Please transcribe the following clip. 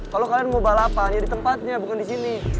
kalau kalian mau balapan ya di tempatnya bukan di sini